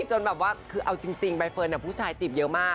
จนแบบว่าคือเอาจริงใบเฟิร์นผู้ชายจีบเยอะมาก